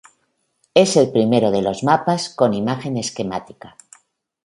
Es el primero de los mapas con imagen esquemática.